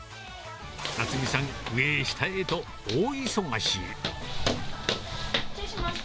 奈津実さん、上へ下へと大忙し。